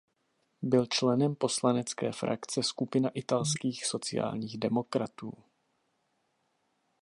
Byl členem poslanecké frakce Skupina italských sociálních demokratů.